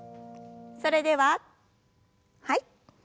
それでははい。